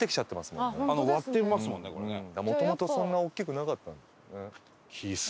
もともとそんな大きくなかったんでしょうね。